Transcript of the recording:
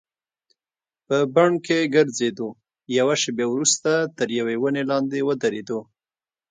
په بڼ کې ګرځېدو، یوه شیبه وروسته تر یوې ونې لاندې ودریدو.